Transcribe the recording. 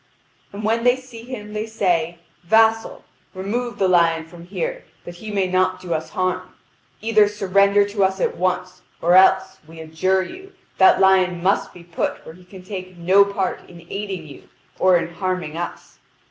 And when they see him they say: "Vassal, remove the lion from here that he may not do us harm. Either surrender to us at once, or else, we adjure you, that lion must be put where he can take no part in aiding you or in harming us.